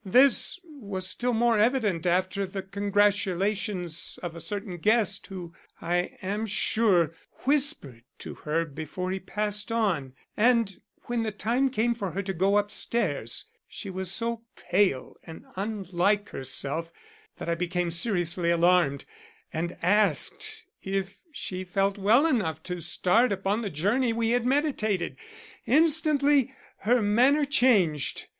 This was still more evident after the congratulations of a certain guest, who, I am sure, whispered to her before he passed on; and when the time came for her to go up stairs she was so pale and unlike herself that I became seriously alarmed and asked if she felt well enough to start upon the journey we had meditated. Instantly her manner changed.